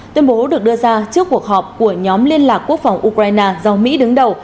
tuyên bố được đưa ra trước cuộc họp của nhóm liên lạc quốc phòng ukraine do mỹ đứng đầu